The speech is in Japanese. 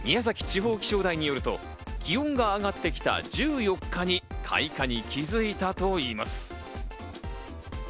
地方気象台によると気温が上がってきた１４日に開花に気づいたといいます。